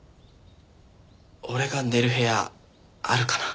俺が寝る部屋あるかな？